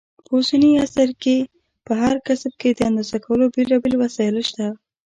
په اوسني عصر کې په هر کسب کې د اندازه کولو بېلابېل وسایل شته.